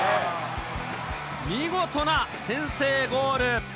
見事な先制ゴール。